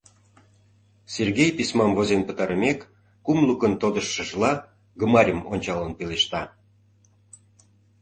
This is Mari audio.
— Сергей, письмам возен пытарымек, кум лукын тодыштшыжла, Гмарьым ончалын пелешта.